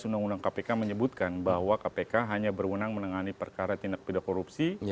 undang undang kpk menyebutkan bahwa kpk hanya berwenang menangani perkara tindak pidana korupsi